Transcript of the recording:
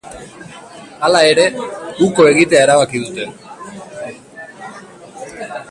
Hala ere, uko egitea erabaki dute.